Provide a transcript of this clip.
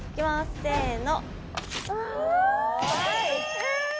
せの。